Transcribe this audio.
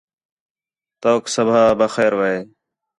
توک صبح بخیر وے